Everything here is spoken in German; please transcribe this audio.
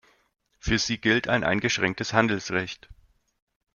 Für sie gilt ein eingeschränktes Handelsrecht.